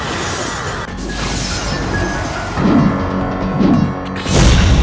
ketikaesh hotel jembatan ini